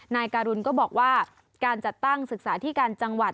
นายการุณก็บอกว่าการจัดตั้งศึกษาที่การจังหวัด